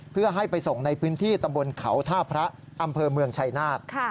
เพื่อให้ไปส่งในพื้นที่ตำบลเขาท่าพระอำเภอเมืองชัยนาธ